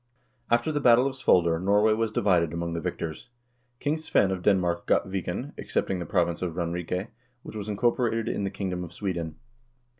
After the battle of Svolder Norway was divided among the victors. King Svein of Denmark got Viken, excepting the province of Ranrike, which was incorporated in the kingdom of Sweden.